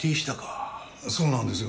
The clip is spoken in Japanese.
そうなんですよ。